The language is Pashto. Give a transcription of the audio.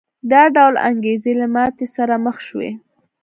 دا ډول انګېزې له ماتې سره مخ شوې.